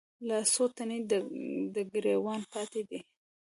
لا څــــو تڼۍ د ګــــــرېوانه پاتـې دي